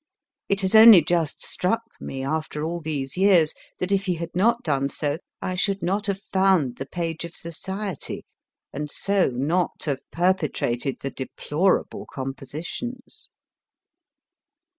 It has only just struck me, after all these years, that, if he had not done so, I should not have found the page of Society, and so not have perpetrated the deplorable com positions.